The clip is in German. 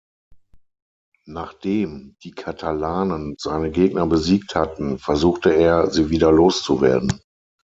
Nachdem die Katalanen seine Gegner besiegt hatten, versuchte er, sie wieder loszuwerden.